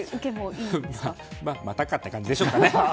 またかという感じでしょうかね。